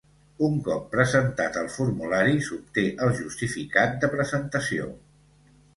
Un cop presentat el formulari, s'obté el justificant de presentació.